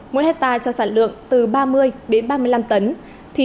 mỗi hectare cho sản lượng từ ba mươi đến ba mươi triệu đồng